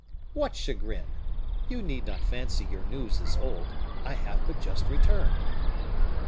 "What chagrin? You need not fancy your news is old. I have but just returned."